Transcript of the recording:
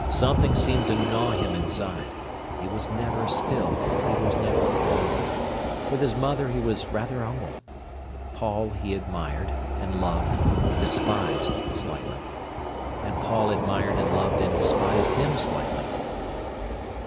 Something seemed to gnaw him inside. He was never still, he was never alone. With his mother he was rather humble. Paul he admired and loved and despised slightly. And Paul admired and loved and despised him slightly.